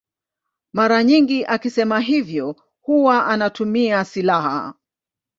Mara nyingi akisema hivyo huwa anatumia silaha.